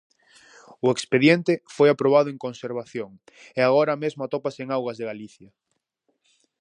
O expediente foi aprobado en conservación e agora mesmo atópase en Augas de Galicia.